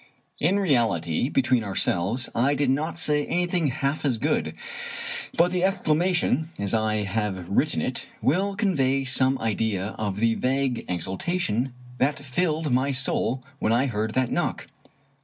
In reality, between ourselves, I did not say anything half so good; but the exclamation, as I have written it, will convey some idea of the vague exultation that filled my soul when I heard that knock.